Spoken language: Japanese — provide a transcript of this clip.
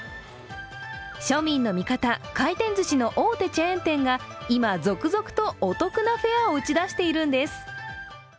庶民の味方、回転ずしの大手チェーン店が今、続々とお得なフェアを打ち出しているんです。